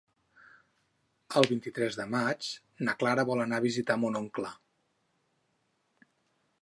El vint-i-tres de maig na Clara vol anar a visitar mon oncle.